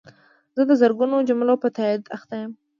زه د زرګونو جملو په تایید اخته وم.